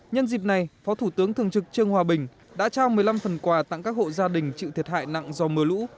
nhân dịp này phó thủ tướng thường trực trương hòa bình đã trao một mươi năm phần quà tặng các hộ gia đình chịu thiệt hại nặng do mưa lũ